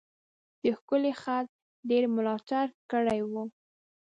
د ښکلی خط ډیر ملاتړ کړی و.